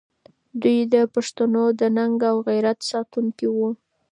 دوی د پښتنو د ننګ او غیرت ساتونکي وو.